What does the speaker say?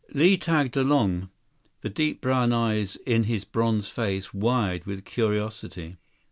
Li tagged along, the deep brown eyes in his bronze face wide with curiosity.